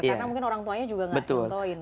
karena mungkin orang tuanya juga gak contohin